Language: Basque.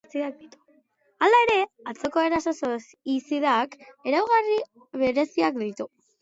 Hala ere, atzoko eraso soizidak ezaugarri bereziak ditu.